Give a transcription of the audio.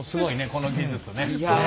この技術ね。